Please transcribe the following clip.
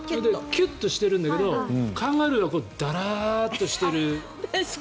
キュッとしてるんだけどカンガルーはダラーッとしている。